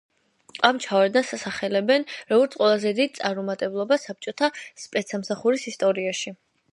ამ ჩავარდნას ასახელებენ როგორც ყველაზე დიდ წარუმატებლობას საბჭოთა სპეცსამსახურების ისტორიაში.